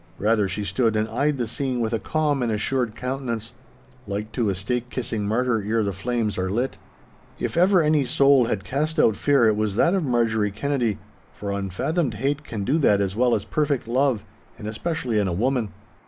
Rather, she stood and eyed the scene with a calm and assured countenance, like to a stake kissing martyr ere the flames are lit. If ever any soul had cast out fear it was that of Marjorie Kennedy, for unfathomed hate can do that as well as perfect love—and especially in a woman.